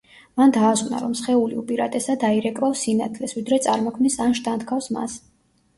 მან დაასკვნა, რომ სხეული უპირატესად აირეკლავს სინათლეს, ვიდრე წარმოქმნის ან შთანთქავს მას.